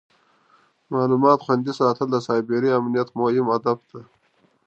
د معلوماتو خوندي ساتل د سایبري امنیت مهم هدف دی.